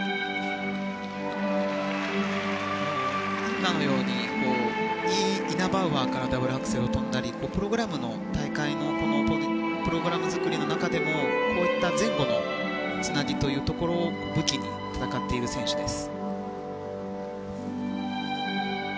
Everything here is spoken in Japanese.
今のようにイナバウアーからダブルアクセルを跳んだり大会のプログラム作りの中でもこういった前後のつながりというところを武器に戦っている選手です。